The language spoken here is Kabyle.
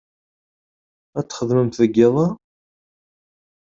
Ad txedmemt deg iḍ-a?